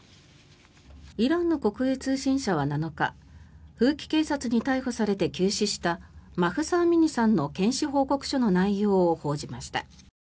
イランの国営通信社は７日風紀警察に逮捕されて急死したマフサ・アミニさんの検視報告書の内容を報じました。